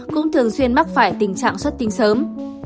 cũng thường xuyên mắc phải tình trạng xuất tinh sớm